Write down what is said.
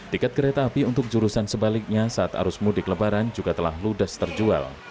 tiket kereta api untuk jurusan sebaliknya saat arus mudik lebaran juga telah ludes terjual